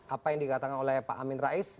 apa yang dikatakan oleh pak amin rais